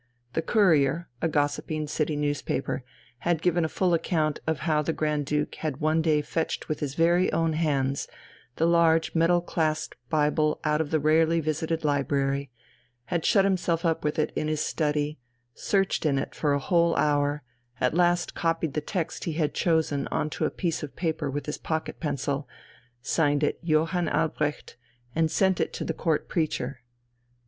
The Courier, a gossiping city newspaper, had given a full account of how the Grand Duke had one day fetched with his very own hands the large metal clasped family Bible out of the rarely visited library, had shut himself up with it in his study, searched in it for a whole hour, at last copied the text he had chosen on to a piece of paper with his pocket pencil, signed it "Johann Albrecht," and sent it to the Court preacher.